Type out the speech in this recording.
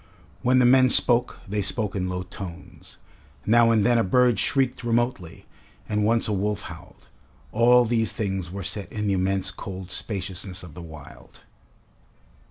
When the men spoke, they spoke in low tones. Now and then a bird shrieked remotely, and once a wolf howled. All these things were set in the immense cold spaciousness of the wild.